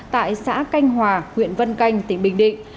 tại xã canh hòa huyện vân canh tỉnh bình định